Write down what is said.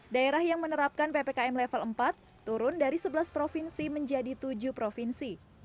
daerah yang menerapkan ppkm level empat turun dari sebelas provinsi menjadi tujuh provinsi